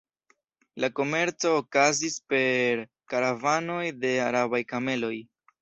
La komerco okazis per karavanoj de arabaj kameloj.